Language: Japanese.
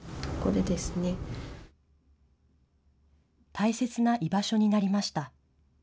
大切な居場所になりました。